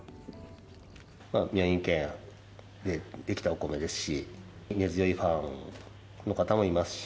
宮城県で出来たお米ですし、根強いファンの方もいますし。